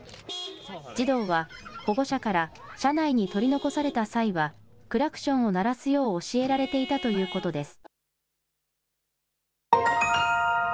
児童は保護者から車内に取り残された際はクラクションを鳴らすよう教えられていたということです。